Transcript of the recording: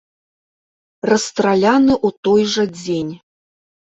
Расстраляны ў той жа дзень.